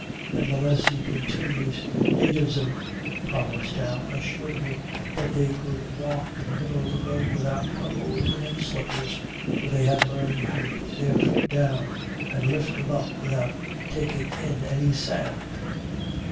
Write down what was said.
"Nevertheless," he continues, "natives of Provincetown assured me that they could walk in the middle of the road without trouble, even in slippers, for they had learned how to put their feet down and lift them up without taking in any sand."